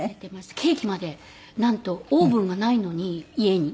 ケーキまでなんとオーブンがないのに家に。